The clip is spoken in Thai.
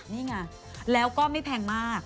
นี่ไงแล้วก็ไม่แพงมาก